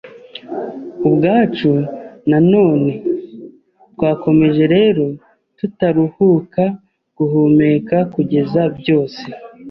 ubwacu na none. Twakomeje rero tutaruhuka guhumeka, kugeza byose